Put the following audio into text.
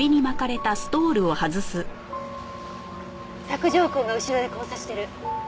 索条痕が後ろで交差してる。